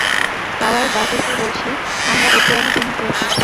Tower, Darkstar বলছি, আমরা উড্ডয়নের জন্য প্রস্তুত।